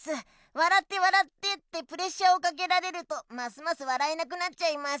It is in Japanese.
「笑って笑って！」ってプレッシャーをかけられるとますます笑えなくなっちゃいます。